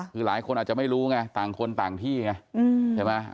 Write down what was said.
คือหลายคนอาจจะไม่รู้ไงต่างคนต่างที่ไงใช่ไหม